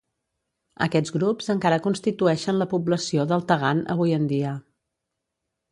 Aquests grups encara constitueixen la població del Tagant avui en dia.